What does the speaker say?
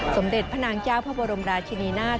สมเด็จพระนางเจ้าพระบรมราชินีนาฏ